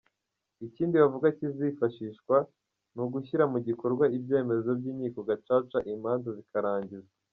Ikindi bavuga kizifashishwa ni ugushyira mu bikorwa ibyemezo by’Inkiko Gacaca imanza zikarangizwa.